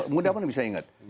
mudah mudahan bisa ingat